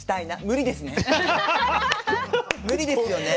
無理ですよね。